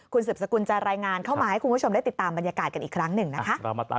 คุณสืบสกุลจะรายงานเข้ามาให้คุณผู้ชมได้ติดตามบรรยากาศกันอีกครั้งหนึ่งนะคะ